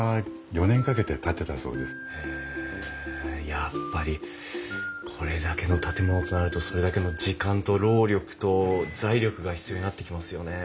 やっぱりこれだけの建物となるとそれだけの時間と労力と財力が必要になってきますよね。